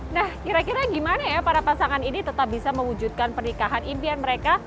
nah kira kira gimana ya para pasangan ini tetap bisa mewujudkan pernikahan impian mereka